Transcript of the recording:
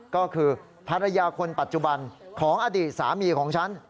ก็คือภรรยาคนปัจจุบันของอดีตสามีของฉัน